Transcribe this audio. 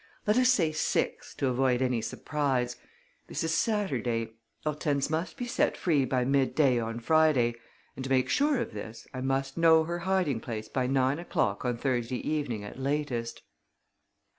Let us say six, to avoid any surprise. This is Saturday: Hortense must be set free by mid day on Friday; and, to make sure of this, I must know her hiding place by nine o'clock on Thursday evening at latest."